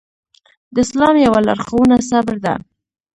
د اسلام يوه لارښوونه صبر ده.